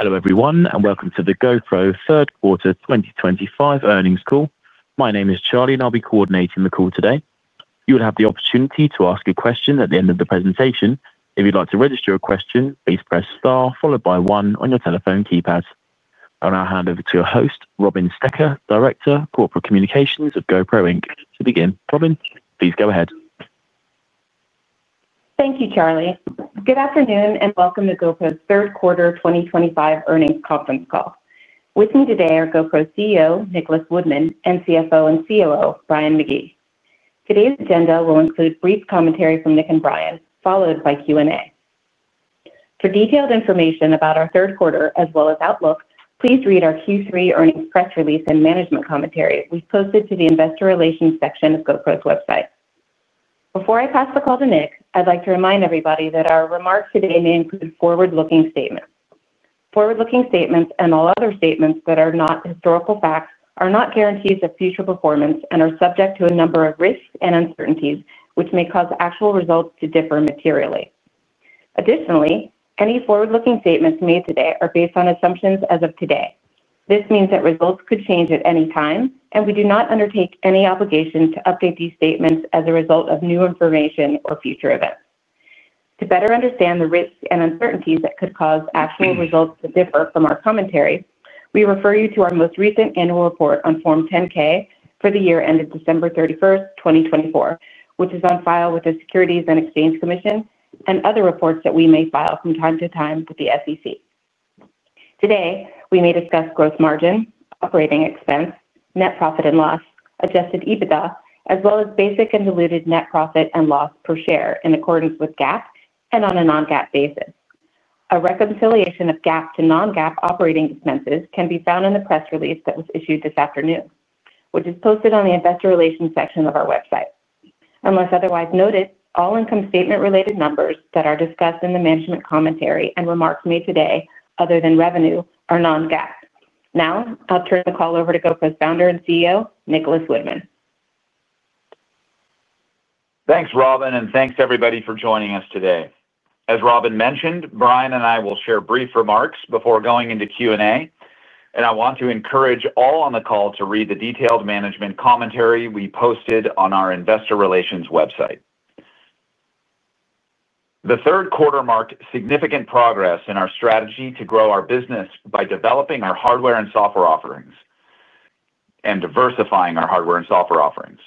Hello everyone, and welcome to the GoPro third quarter 2025 earnings call. My name is Charlie, and I'll be coordinating the call today. You will have the opportunity to ask a question at the end of the presentation. If you'd like to register a question, please press star followed by one on your telephone keypad. I'll now hand over to your host, Robin Stecker, Director of Corporate Communications at GoPro. To begin, Robin, please go ahead. Thank you, Charlie. Good afternoon, and welcome to GoPro's third quarter 2025 earnings conference call. With me today are GoPro CEO, Nicholas Woodman, and CFO and COO, Brian McGee. Today's agenda will include brief commentary from Nick and Brian, followed by Q&A. For detailed information about our third quarter, as well as outlook, please read our Q3 earnings press release and management commentary we've posted to the investor relations section of GoPro's website. Before I pass the call to Nick, I'd like to remind everybody that our remarks today may include forward-looking statements. Forward-looking statements and all other statements that are not historical facts are not guarantees of future performance and are subject to a number of risks and uncertainties, which may cause actual results to differ materially. Additionally, any forward-looking statements made today are based on assumptions as of today. This means that results could change at any time, and we do not undertake any obligation to update these statements as a result of new information or future events. To better understand the risks and uncertainties that could cause actual results to differ from our commentary, we refer you to our most recent annual report on Form 10-K for the year ended December 31, 2024, which is on file with the Securities and Exchange Commission and other reports that we may file from time to time with the SEC. Today, we may discuss gross margin, operating expense, net profit and loss, adjusted EBITDA, as well as basic and diluted net profit and loss per share in accordance with GAAP and on a non-GAAP basis. A reconciliation of GAAP to non-GAAP operating expenses can be found in the press release that was issued this afternoon, which is posted on the investor relations section of our website. Unless otherwise noted, all income statement-related numbers that are discussed in the management commentary and remarks made today, other than revenue, are non-GAAP. Now, I'll turn the call over to GoPro's founder and CEO, Nicholas Woodman. Thanks, Robin, and thanks to everybody for joining us today. As Robin mentioned, Brian and I will share brief remarks before going into Q&A, and I want to encourage all on the call to read the detailed management commentary we posted on our investor relations website. The third quarter marked significant progress in our strategy to grow our business by developing our hardware and software offerings. Diversifying our hardware and software offerings.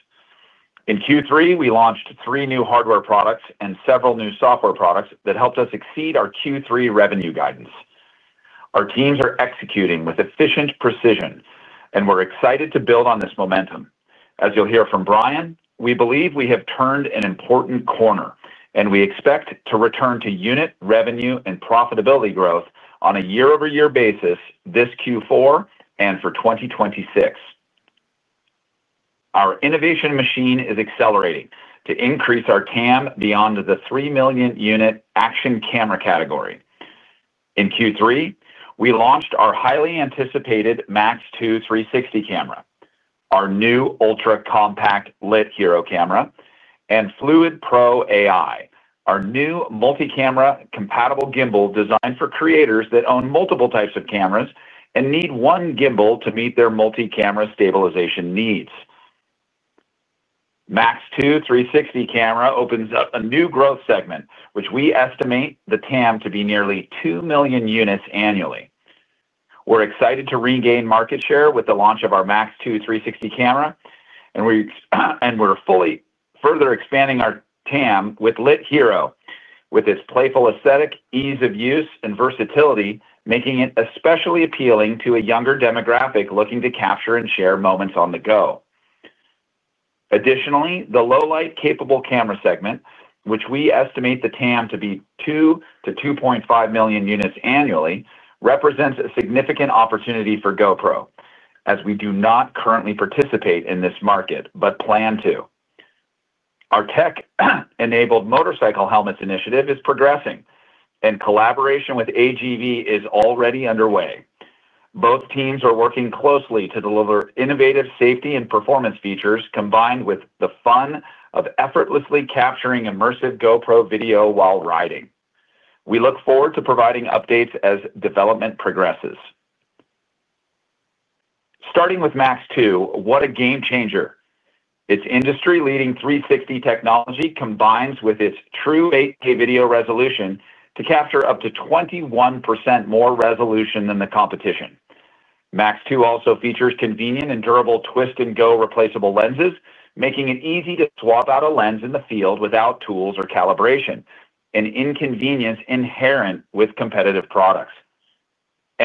In Q3, we launched three new hardware products and several new software products that helped us exceed our Q3 revenue guidance. Our teams are executing with efficient precision, and we're excited to build on this momentum. As you'll hear from Brian, we believe we have turned an important corner, and we expect to return to unit revenue and profitability growth on a year-over-year basis this Q4 and for 2026. Our innovation machine is accelerating to increase our TAM beyond the 3 million unit action camera category. In Q3, we launched our highly anticipated Max 2 360 camera, our new ultra compact Lit Hero camera, and Fluid Pro AI, our new multi-camera compatible gimbal designed for creators that own multiple types of cameras and need one gimbal to meet their multi-camera stabilization needs. Max 2 360 camera opens up a new growth segment, which we estimate the TAM to be nearly 2 million units annually. We're excited to regain market share with the launch of our Max 2 360 camera, and we're fully further expanding our TAM with Lit Hero, with its playful aesthetic, ease of use, and versatility, making it especially appealing to a younger demographic looking to capture and share moments on the go. Additionally, the low-light capable camera segment, which we estimate the TAM to be 2-2.5 million units annually, represents a significant opportunity for GoPro, as we do not currently participate in this market but plan to. Our tech-enabled motorcycle helmets initiative is progressing, and collaboration with AGV is already underway. Both teams are working closely to deliver innovative safety and performance features combined with the fun of effortlessly capturing immersive GoPro video while riding. We look forward to providing updates as development progresses. Starting with Max 2, what a game changer. Its industry-leading 360 technology combines with its true 8K video resolution to capture up to 21% more resolution than the competition. Max 2 also features convenient and durable twist-and-go replaceable lenses, making it easy to swap out a lens in the field without tools or calibration, an inconvenience inherent with competitive products.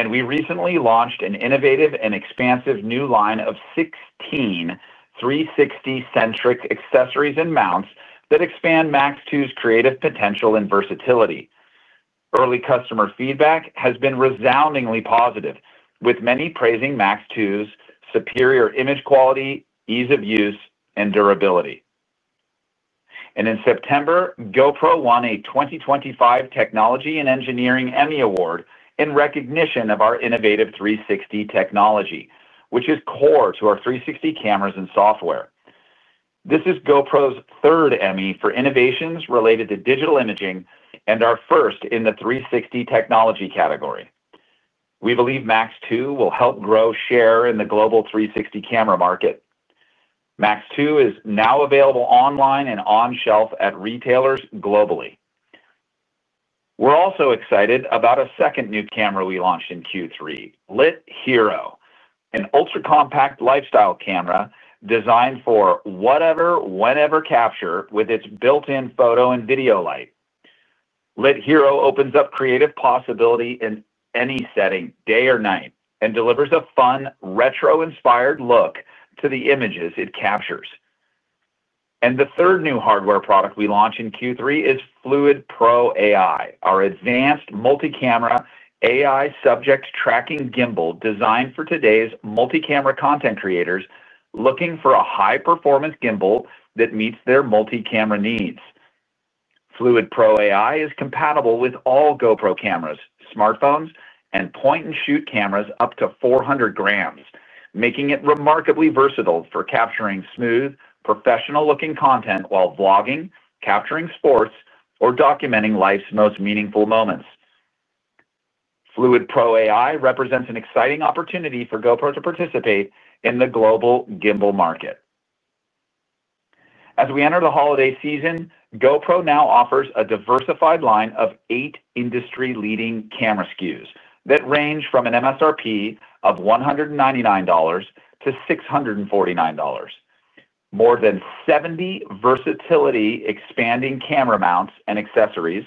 We recently launched an innovative and expansive new line of 16 360-centric accessories and mounts that expand Max 2's creative potential and versatility. Early customer feedback has been resoundingly positive, with many praising Max 2's superior image quality, ease of use, and durability. In September, GoPro won a 2025 Technology and Engineering Emmy Award in recognition of our innovative 360 technology, which is core to our 360 cameras and software. This is GoPro's third Emmy for innovations related to digital imaging and our first in the 360 technology category. We believe Max 2 will help grow share in the global 360 camera market. Max 2 is now available online and on shelf at retailers globally. We're also excited about a second new camera we launched in Q3, Lit Hero, an ultra compact lifestyle camera designed for whatever, whenever capture with its built-in photo and video light. Lit Hero opens up creative possibility in any setting, day or night, and delivers a fun retro-inspired look to the images it captures. The third new hardware product we launched in Q3 is Fluid Pro AI, our advanced multi-camera AI subject tracking gimbal designed for today's multi-camera content creators looking for a high-performance gimbal that meets their multi-camera needs. Fluid Pro AI is compatible with all GoPro cameras, smartphones, and point-and-shoot cameras up to 400 grams, making it remarkably versatile for capturing smooth, professional-looking content while vlogging, capturing sports, or documenting life's most meaningful moments. Fluid Pro AI represents an exciting opportunity for GoPro to participate in the global gimbal market. As we enter the holiday season, GoPro now offers a diversified line of eight industry-leading camera SKUs that range from an MSRP of $199-$649. More than 70 versatility-expanding camera mounts and accessories,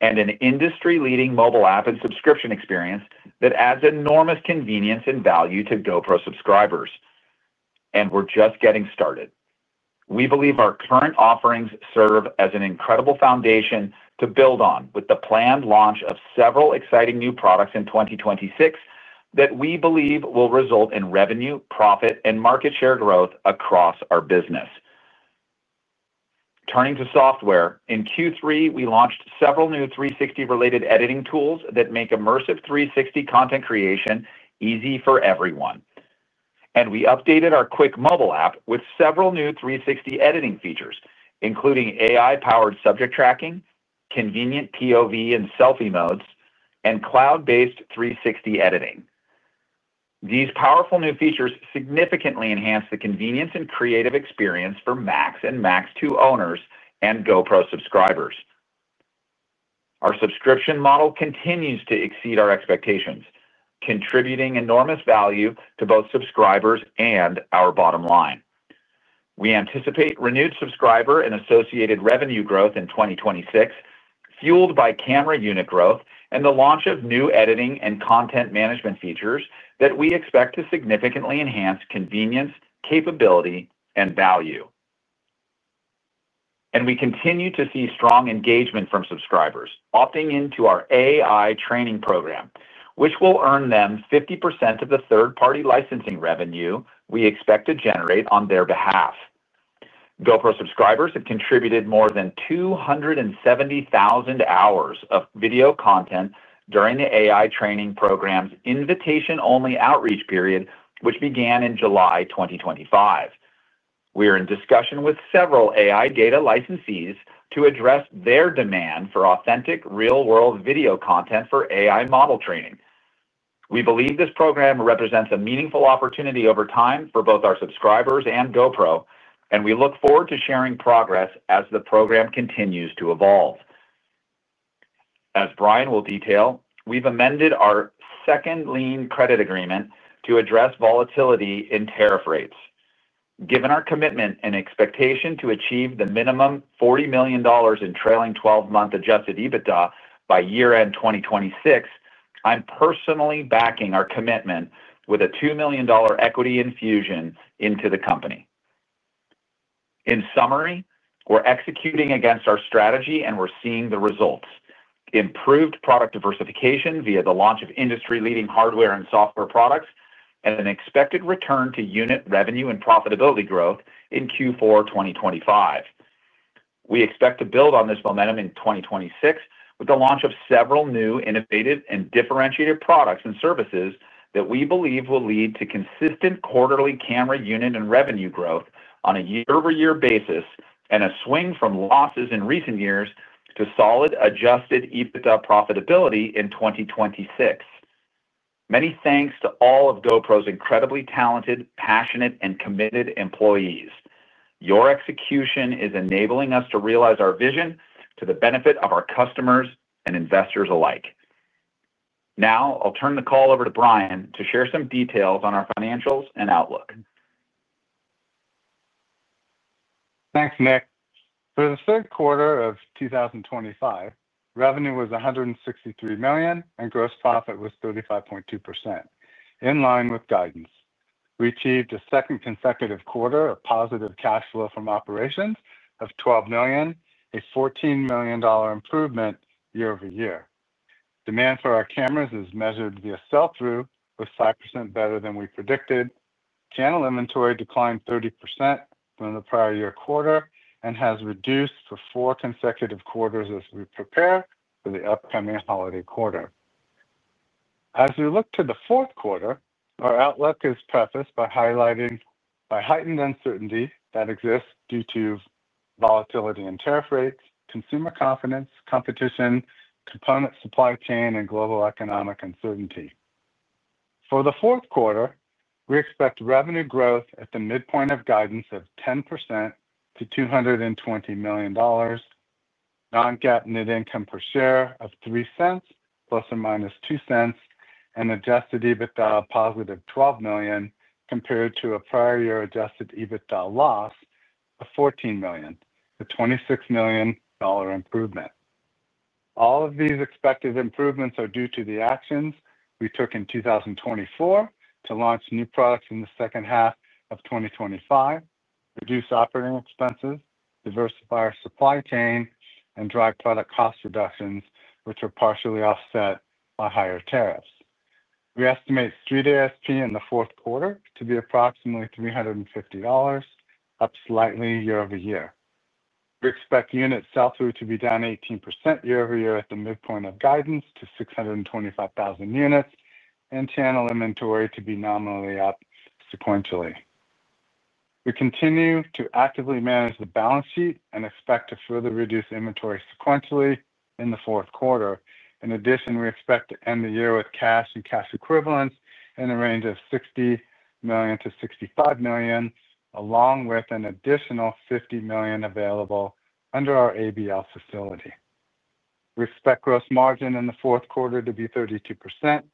and an industry-leading mobile app and subscription experience that adds enormous convenience and value to GoPro subscribers. We're just getting started. We believe our current offerings serve as an incredible foundation to build on with the planned launch of several exciting new products in 2026 that we believe will result in revenue, profit, and market share growth across our business. Turning to software, in Q3, we launched several new 360-related editing tools that make immersive 360 content creation easy for everyone. We updated our Quik mobile app with several new 360 editing features, including AI-powered subject tracking, convenient POV and selfie modes, and cloud-based 360 editing. These powerful new features significantly enhance the convenience and creative experience for Max and Max 2 owners and GoPro subscribers. Our subscription model continues to exceed our expectations, contributing enormous value to both subscribers and our bottom line. We anticipate renewed subscriber and associated revenue growth in 2026, fueled by camera unit growth and the launch of new editing and content management features that we expect to significantly enhance convenience, capability, and value. We continue to see strong engagement from subscribers opting into our AI training program, which will earn them 50% of the third-party licensing revenue we expect to generate on their behalf. GoPro subscribers have contributed more than 270,000 hours of video content during the AI training program's invitation-only outreach period, which began in July 2025. We are in discussion with several AI data licensees to address their demand for authentic real-world video content for AI model training. We believe this program represents a meaningful opportunity over time for both our subscribers and GoPro, and we look forward to sharing progress as the program continues to evolve. As Brian will detail, we've amended our second lien credit agreement to address volatility in tariff rates. Given our commitment and expectation to achieve the minimum $40 million in trailing 12-month adjusted EBITDA by year-end 2026, I'm personally backing our commitment with a $2 million equity infusion into the company. In summary, we're executing against our strategy, and we're seeing the results: improved product diversification via the launch of industry-leading hardware and software products, and an expected return to unit revenue and profitability growth in Q4 2025. We expect to build on this momentum in 2026 with the launch of several new, innovative, and differentiated products and services that we believe will lead to consistent quarterly camera unit and revenue growth on a year-over-year basis and a swing from losses in recent years to solid adjusted EBITDA profitability in 2026. Many thanks to all of GoPro's incredibly talented, passionate, and committed employees. Your execution is enabling us to realize our vision to the benefit of our customers and investors alike. Now, I'll turn the call over to Brian to share some details on our financials and outlook. Thanks, Nick. For the third quarter of 2025, revenue was $163 million, and gross profit was 35.2%, in line with guidance. We achieved a second consecutive quarter of positive cash flow from operations of $12 million, a $14 million improvement year-over-year. Demand for our cameras is measured via sell-through, with 5% better than we predicted. Channel inventory declined 30% from the prior year quarter and has reduced for four consecutive quarters as we prepare for the upcoming holiday quarter. As we look to the fourth quarter, our outlook is prefaced by highlighting heightened uncertainty that exists due to volatility in tariff rates, consumer confidence, competition, component supply chain, and global economic uncertainty. For the fourth quarter, we expect revenue growth at the midpoint of guidance of 10% to $220 million. Non-GAAP net income per share of $0.03 plus or minus $0.02, and adjusted EBITDA of positive $12 million compared to a prior year adjusted EBITDA loss of $14 million, a $26 million improvement. All of these expected improvements are due to the actions we took in 2024 to launch new products in the second half of 2025, reduce operating expenses, diversify our supply chain, and drive product cost reductions, which are partially offset by higher tariffs. We estimate street ASP in the fourth quarter to be approximately $350, up slightly year-over-year. We expect unit sell-through to be down 18% year-over-year at the midpoint of guidance to 625,000 units, and channel inventory to be nominally up sequentially. We continue to actively manage the balance sheet and expect to further reduce inventory sequentially in the fourth quarter. In addition, we expect to end the year with cash and cash equivalents in the range of $60 million-$65 million, along with an additional $50 million available under our ABL facility. We expect gross margin in the fourth quarter to be 32%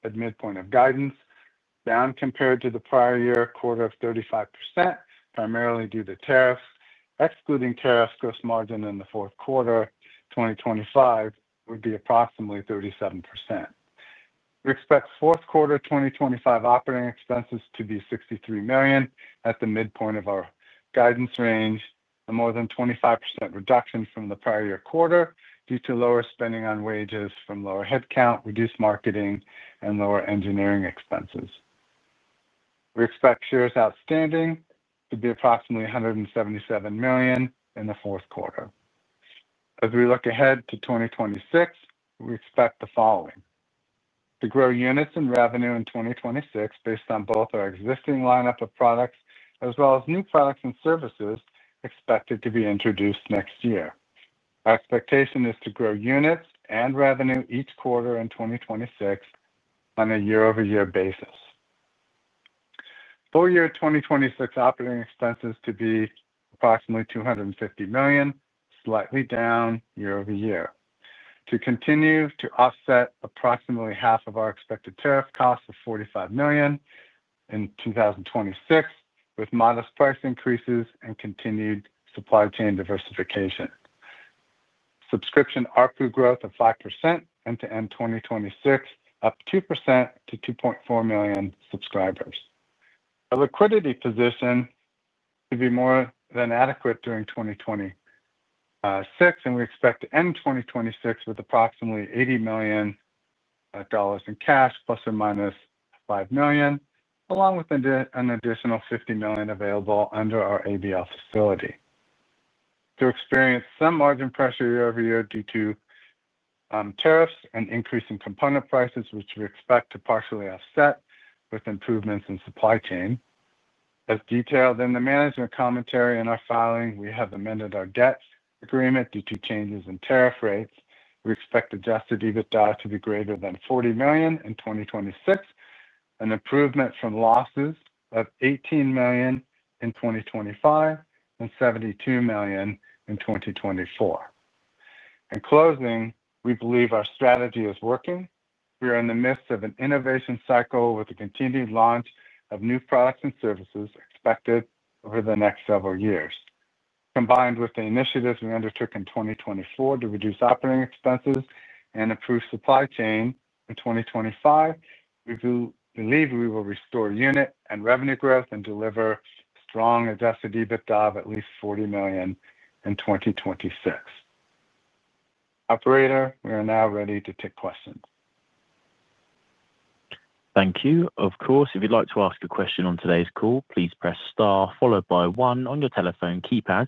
at midpoint of guidance, down compared to the prior year quarter of 35%, primarily due to tariffs. Excluding tariffs, gross margin in the fourth quarter 2025 would be approximately 37%. We expect fourth quarter 2025 operating expenses to be $63 million at the midpoint of our guidance range, a more than 25% reduction from the prior year quarter due to lower spending on wages from lower headcount, reduced marketing, and lower engineering expenses. We expect shares outstanding to be approximately 177 million in the fourth quarter. As we look ahead to 2026, we expect the following. To grow units and revenue in 2026 based on both our existing lineup of products as well as new products and services expected to be introduced next year. Our expectation is to grow units and revenue each quarter in 2026 on a year-over-year basis. For year 2026, operating expenses to be approximately $250 million, slightly down year-over-year. To continue to offset approximately half of our expected tariff costs of $45 million in 2026 with modest price increases and continued supply chain diversification. Subscription RPU growth of 5% end-to-end 2026, up 2% to 2.4 million subscribers. Our liquidity position to be more than adequate during 2026, and we expect to end 2026 with approximately $80 million in cash, plus or minus $5 million, along with an additional $50 million available under our ABL facility. To experience some margin pressure year-over-year due to tariffs and increasing component prices, which we expect to partially offset with improvements in supply chain. As detailed in the management commentary in our filing, we have amended our debt agreement due to changes in tariff rates. We expect adjusted EBITDA to be greater than $40 million in 2026, an improvement from losses of $18 million in 2025 and $72 million in 2024. In closing, we believe our strategy is working. We are in the midst of an innovation cycle with the continued launch of new products and services expected over the next several years. Combined with the initiatives we undertook in 2024 to reduce operating expenses and improve supply chain in 2025, we believe we will restore unit and revenue growth and deliver strong adjusted EBITDA of at least $40 million in 2026. Operator, we are now ready to take questions. Thank you. Of course, if you'd like to ask a question on today's call, please press Star followed by 1 on your telephone keypad.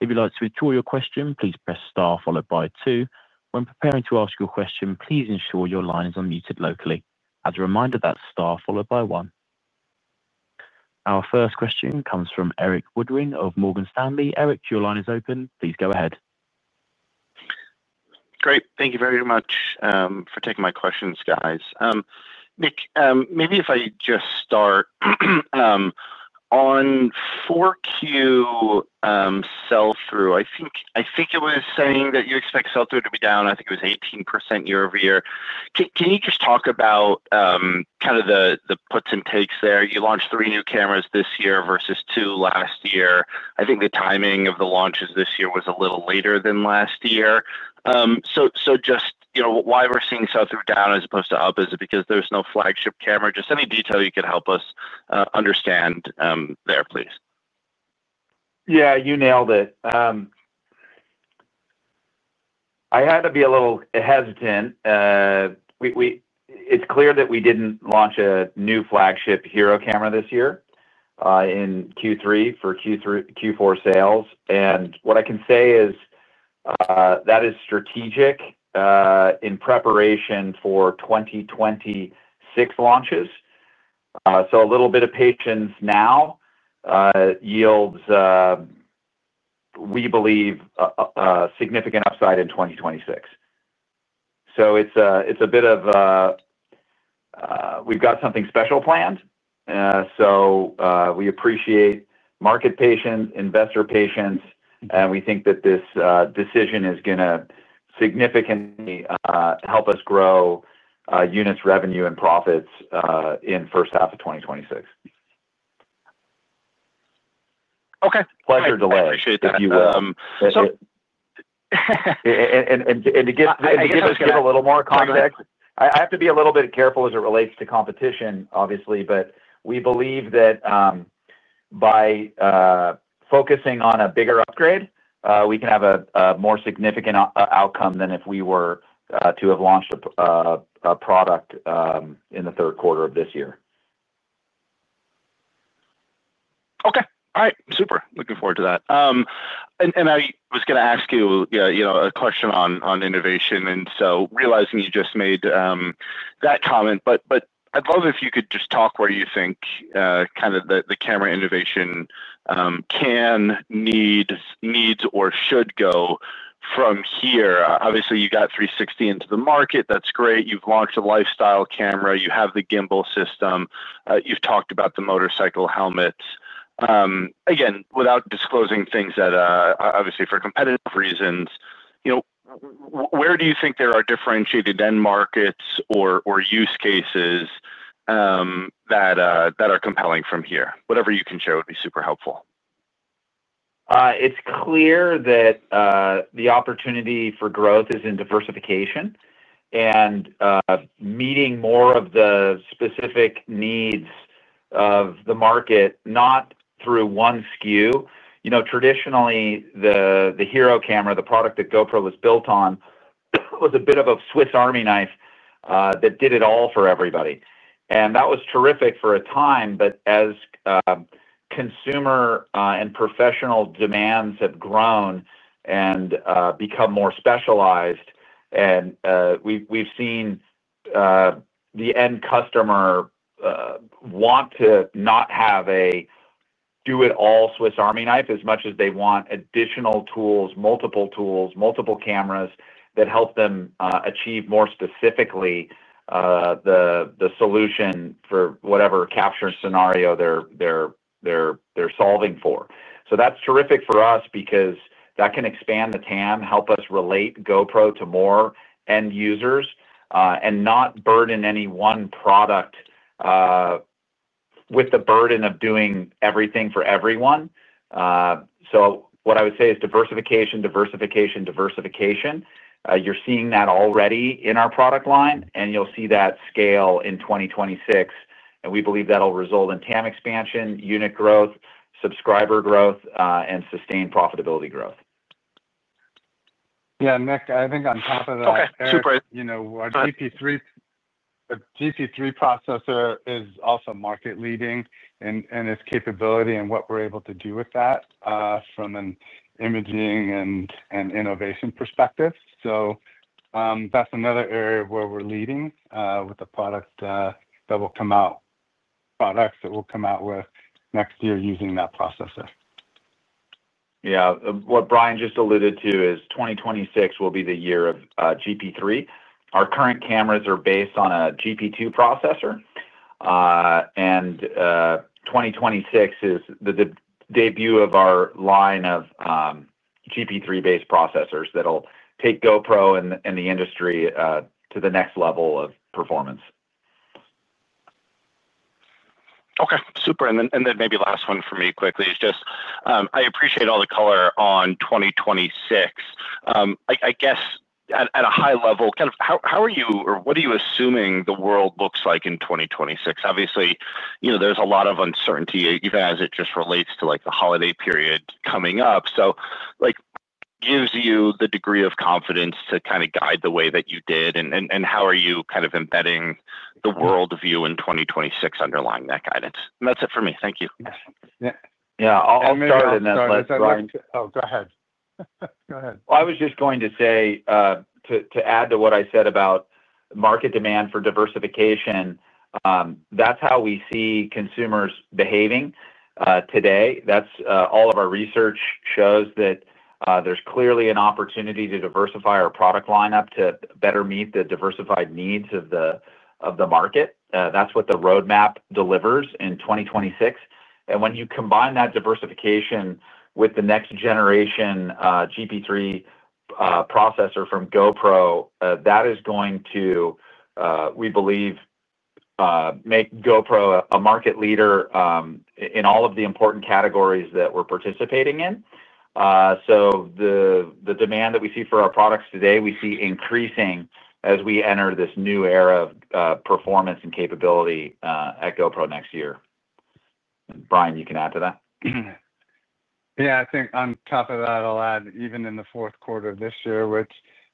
If you'd like to withdraw your question, please press Star followed by 2. When preparing to ask your question, please ensure your line is unmuted locally. As a reminder, that's Star followed by 1. Our first question comes from Erik Woodring of Morgan Stanley. Erik, your line is open. Please go ahead. Great. Thank you very much for taking my questions, guys. Nick, maybe if I just start. On 4Q sell-through, I think it was saying that you expect sell-through to be down. I think it was 18% year-over-year. Can you just talk about kind of the puts and takes there? You launched three new cameras this year versus two last year. I think the timing of the launches this year was a little later than last year. Just why we're seeing sell-through down as opposed to up is because there's no flagship camera. Just any detail you could help us understand there, please. Yeah, you nailed it. I had to be a little hesitant. It's clear that we didn't launch a new flagship HERO camera this year in Q3 for Q4 sales. What I can say is that is strategic in preparation for 2026 launches. A little bit of patience now yields, we believe, a significant upside in 2026. It's a bit of we've got something special planned. We appreciate market patience, investor patience, and we think that this decision is going to significantly help us grow units, revenue, and profits in the first half of 2026. Pleasure delayed. To give us a little more context, I have to be a little bit careful as it relates to competition, obviously, but we believe that by focusing on a bigger upgrade, we can have a more significant outcome than if we were to have launched a product in the third quarter of this year. Okay. All right. Super. Looking forward to that. I was going to ask you a question on innovation, and so realizing you just made that comment, but I'd love if you could just talk where you think kind of the camera innovation can need or should go from here. Obviously, you got 360 into the market. That's great. You've launched a lifestyle camera. You have the gimbal system. You've talked about the motorcycle helmet. Again, without disclosing things that are obviously for competitive reasons. Where do you think there are differentiated end markets or use cases that are compelling from here? Whatever you can share would be super helpful. It's clear that the opportunity for growth is in diversification and meeting more of the specific needs of the market, not through one SKU. Traditionally, the HERO camera, the product that GoPro was built on, was a bit of a Swiss Army knife that did it all for everybody. That was terrific for a time, but as consumer and professional demands have grown and become more specialized, we've seen the end customer want to not have a do-it-all Swiss Army knife as much as they want additional tools, multiple tools, multiple cameras that help them achieve more specifically the solution for whatever capture scenario they're solving for. That is terrific for us because that can expand the TAM, help us relate GoPro to more end users, and not burden any one product with the burden of doing everything for everyone. What I would say is diversification, diversification, diversification. You're seeing that already in our product line, and you'll see that scale in 2026. We believe that'll result in TAM expansion, unit growth, subscriber growth, and sustained profitability growth. Yeah, Nick, I think on top of that. Okay. Super. Our GP3 processor is also market-leading in its capability and what we're able to do with that from an imaging and innovation perspective. That's another area where we're leading with the product that will come out. Products that will come out next year using that processor. Yeah. What Brian just alluded to is 2026 will be the year of GP3. Our current cameras are based on a GP2 processor. 2026 is the debut of our line of GP3-based processors that'll take GoPro and the industry to the next level of performance. Okay. Super. And then maybe last one for me quickly is just I appreciate all the color on 2026. I guess at a high level, kind of how are you or what are you assuming the world looks like in 2026? Obviously, there's a lot of uncertainty, even as it just relates to the holiday period coming up. Gives you the degree of confidence to kind of guide the way that you did? And how are you kind of embedding the worldview in 2026 underlying that guidance? And that's it for me. Thank you. Yeah. I'll start and then let Brian. Oh, go ahead. Go ahead. I was just going to say. To add to what I said about market demand for diversification. That's how we see consumers behaving today. All of our research shows that there's clearly an opportunity to diversify our product lineup to better meet the diversified needs of the market. That's what the roadmap delivers in 2026. When you combine that diversification with the next generation GP3 processor from GoPro, that is going to, we believe, make GoPro a market leader in all of the important categories that we're participating in. The demand that we see for our products today, we see increasing as we enter this new era of performance and capability at GoPro next year. Brian, you can add to that. Yeah. I think on top of that, I'll add even in the fourth quarter of this year, which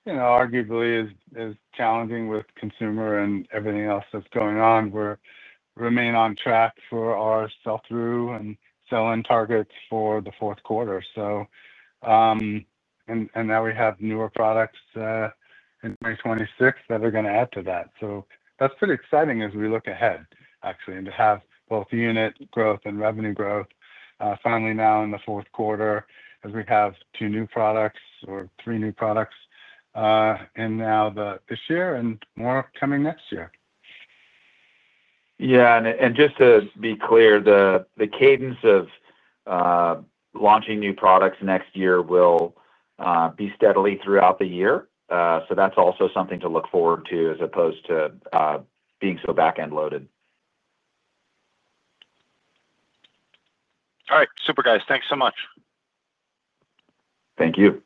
arguably is challenging with consumer and everything else that's going on, we remain on track for our sell-through and sell-in targets for the fourth quarter. Now we have newer products. In 2026 that are going to add to that. That's pretty exciting as we look ahead, actually, and to have both unit growth and revenue growth finally now in the fourth quarter as we have two new products or three new products in now this year and more coming next year. Yeah. And just to be clear, the cadence of launching new products next year will be steadily throughout the year. So that's also something to look forward to as opposed to being so back-end loaded. All right. Super, guys. Thanks so much. Thank you.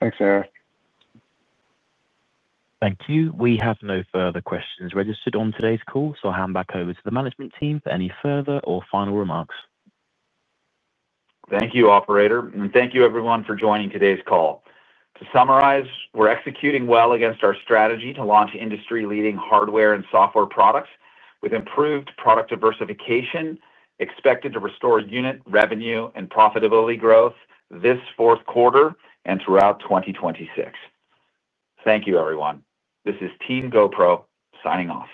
Thanks, Eric. Thank you. We have no further questions registered on today's call, so I'll hand back over to the management team for any further or final remarks. Thank you, Operator. Thank you, everyone, for joining today's call. To summarize, we're executing well against our strategy to launch industry-leading hardware and software products with improved product diversification expected to restore unit revenue and profitability growth this fourth quarter and throughout 2026. Thank you, everyone. This is Team GoPro signing off.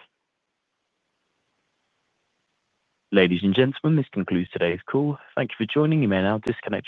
Ladies and gentlemen, this concludes today's call. Thank you for joining. You may now disconnect.